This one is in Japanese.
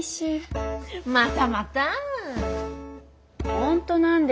本当なんです。